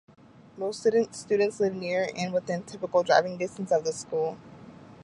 Most students live near and within typical driving distance of the school.